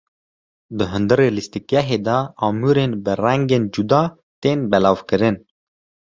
Di hundirê lîstikgehê de amûrên bi rengên cuda tên belavkirin.